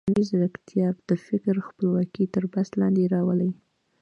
مصنوعي ځیرکتیا د فکر خپلواکي تر بحث لاندې راولي.